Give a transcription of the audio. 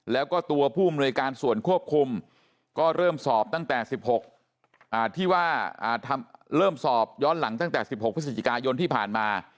แล้วก็ตัวผู้อำนวยการส่วนควบคุมก็เริ่มสอบตั้งแต่๑๖พฤศจิกายนที่ผ่านมา